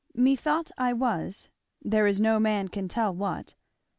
Methought I was there is no man can tell what.